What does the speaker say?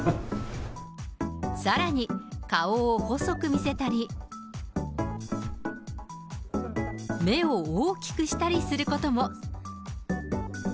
さらに、顔を細く見せたり、目を大きくしたりすることも。